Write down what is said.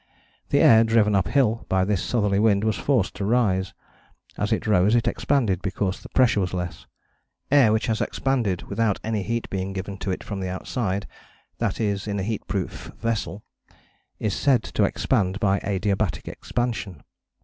The air, driven uphill by this southerly wind, was forced to rise. As it rose it expanded, because the pressure was less. Air which has expanded without any heat being given to it from outside, that is in a heat proof vessel, is said to expand by adiabatic expansion.